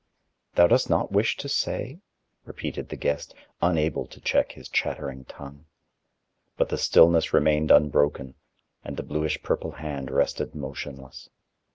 "Thou dost not wish to say?" repeated the guest, unable to check his chattering tongue. But the stillness remained unbroken, and the bluish purple hand rested motionless.